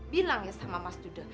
bilang ya sama mas duda